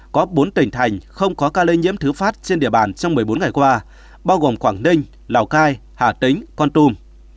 có bốn tỉnh thành không có ca lây nhiễm thứ phát trên địa bàn trong một mươi bốn ngày qua bao gồm quảng ninh lào cai hà tĩnh con tum